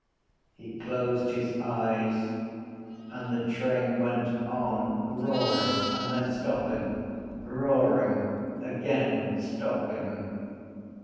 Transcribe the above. He closed his eyes and the train went on, roaring and then stopping; roaring again, stopping.